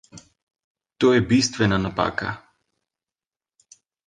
To je bistvena napaka.